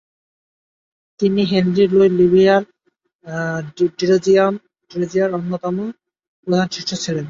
তিনি Henry Louis Vivian ডিরোজিওর অন্যতম প্রধান শিষ্য ছিলেন।